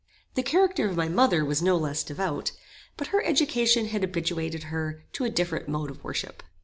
The character of my mother was no less devout; but her education had habituated her to a different mode of worship.